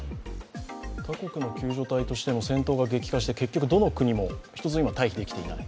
他国の救助隊としても、戦闘が激化して、どの国も救助が達成していない。